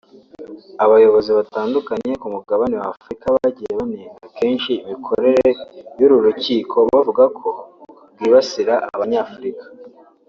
Abayobozi batandukanye ku mugabane wa Afurika bagiye banenga kenshi imikorere y’uru rukiko bavuga ko rwibasira Abanyafurika